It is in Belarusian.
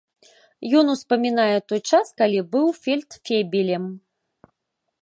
Ён успамінае той час, калі быў фельдфебелем.